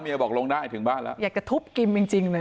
ก็ทำไมบอกลงได้ถึงบ้านแล้ว